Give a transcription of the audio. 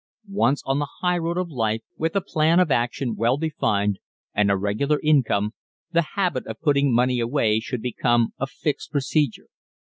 Once on the highroad of life with a plan of action well defined and a regular income the habit of putting money away should become a fixed procedure.